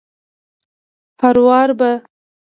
هروار به